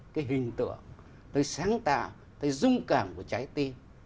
cái hình tượng tôi sáng tạo tới dung cảm của trái tim